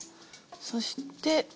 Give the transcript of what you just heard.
そして。